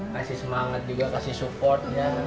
kasih semangat juga kasih support